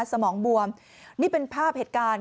สมองบวมนี่เป็นภาพเหตุการณ์